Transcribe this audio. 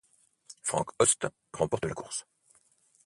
Frank Hoste remporte la course.